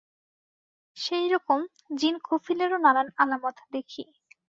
সেই রকম জিন কফিলেরও নানান আলামত দেখি।